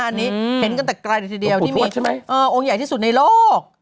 อันนี้เห็นกันแต่ไกลเดียวที่มีโอ้งใหญ่ที่สุดในโลก